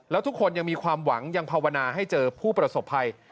แล้วทุกคนยังมีความหวังยังภาวนาให้เจอผู้ประสบภัย